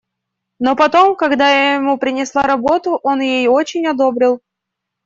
Но потом, когда я ему принесла работу, он ее очень одобрил.